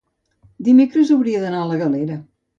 dimecres hauria d'anar a la Galera.